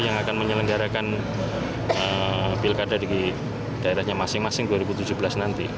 yang akan menyelenggarakan pilkada di daerahnya masing masing dua ribu tujuh belas nanti